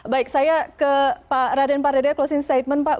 baik saya ke pak raden pardede closing statement pak